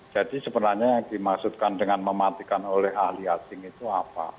jadi sebenarnya yang dimaksudkan dengan mematikan oleh ahli asing itu apa